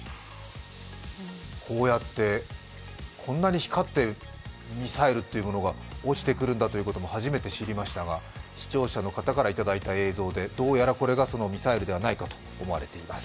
こうやってこんなに光ってミサイルというものが落ちてくるんだということも初めてしりましたが、視聴者の方からいただいた映像でどうやらこれがミサイルではないかと思われています。